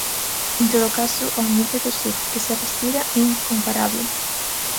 En todo caso, o ambiente de surf que se respira é incomparable.